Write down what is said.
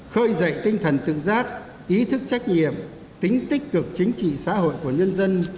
khơi dậy tinh thần tự giác ý thức trách nhiệm tính tích cực chính trị xã hội của nhân dân